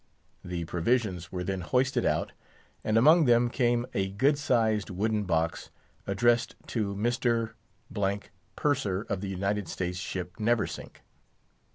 The provisions were then hoisted out, and among them came a good sized wooden box, addressed to "Mr. —— Purser of the United States ship Neversink."